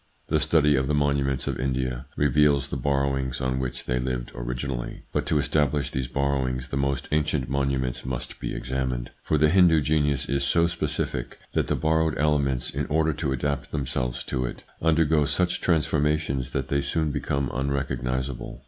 The study of the monuments of India reveals the borrowings on which they lived originally, but to establish these borrowings the most ancient monu ments must be examined, for the Hindu genius is so specific, that the borrowed elements, in order to adapt themselves to it, undergo such transformations that they soon become unrecognisable.